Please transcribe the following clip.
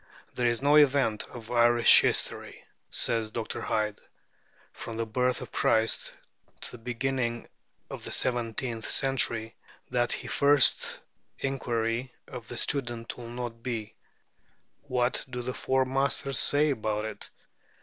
"There is no event of Irish history," says Dr. Hyde, "from the birth of Christ to the beginning of the seventeenth century, that the first inquiry of the student will not be What do the Four Masters say about it?"